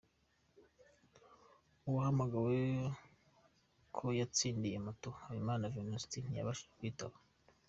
Uwahamagawe ko yatsindiye moto, Habimana Venuste, ntiyabashije kwitaba.